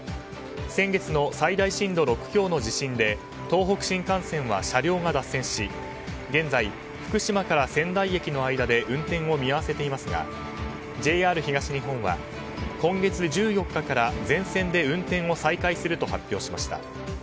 先月の最大震度６強の地震で東北新幹線は車両が脱線し現在、福島から仙台駅の間で運転を見合わせていますがＪＲ東日本は今月１４日から全線で運転を再開すると発表しました。